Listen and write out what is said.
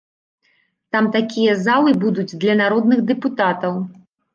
Там такія залы будуць для народных дэпутатаў!